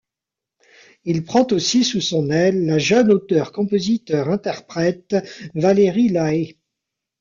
Il prend aussi sous son aile la jeune auteur-compositeur-interprète Valérie Lahaie.